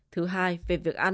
thứ hai về việc ăn